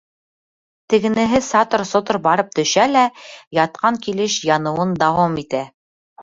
Тегенеһе сатыр-сотор барып төшә лә, ятҡан килеш яныуын дауам итә.